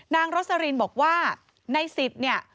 นางรสรินศ์บอกว่าในศิษย์เนี่ย